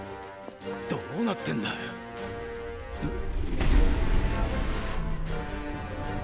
どうなってんだん